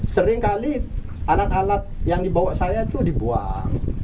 sering kali alat alat yang dibawa saya itu dibuang